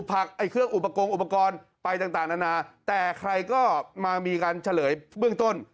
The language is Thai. ผักไอ้เครื่องอุปกรณ์ไปต่างนานาแต่ใครก็มามีการเฉลยเบื้องต้น